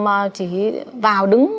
mà chỉ vào đứng